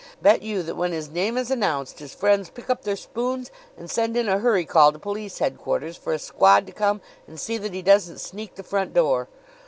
Bet you that when his name is announced his friends pick up their spoons and send in a hurry call to police headquarters for a squad to come and see that he doesn't sneak the front door.